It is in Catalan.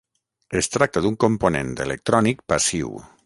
Es tracta d'un component electrònic passiu.